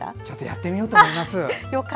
ちょっとやってみようと思います。